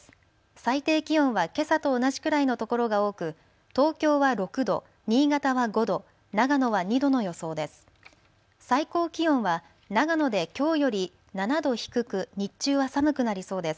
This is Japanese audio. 最低気温はけさと同じくらいのところが多く東京は６度、新潟は５度、長野は２度の予想です。